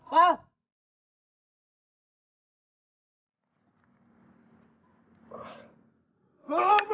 kau paham tahu lender hari ini